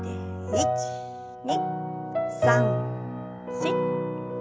１２３４。